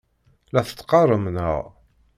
La t-teqqarem, naɣ?